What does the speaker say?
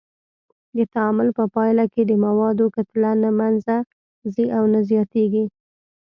د تعامل په پایله کې د موادو کتله نه منځه ځي او نه زیاتیږي.